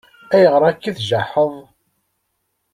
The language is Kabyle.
Ayɣer akka i tjaḥeḍ?